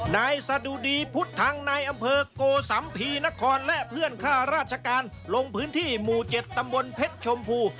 นายสะดุดีพุทธังนายอำเภอโกสัมภีนครและเพื่อนค่าราชการลงพื้นที่หมู่๗ตำบลเพชรชมพู